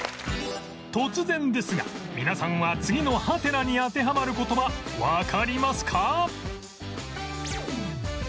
突然ですが皆さんは次のハテナに当てはまる言葉わかりますか？